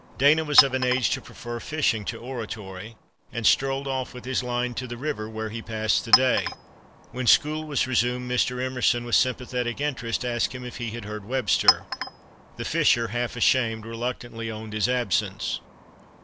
Dana was of an age to prefer fishing to oratory, and strolled off with his line to the river, where he passed the day. When school was resumed, Mr. Emerson with sympathetic interest asked him if he had heard Webster. The fisher, half ashamed, reluctantly owned his absence.